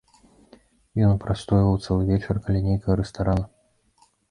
Ён прастойваў цэлы вечар каля нейкага рэстарана.